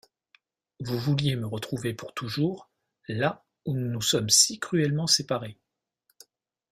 Vous vouliez me retrouver pour toujours là où nous nous sommes si cruellement séparés.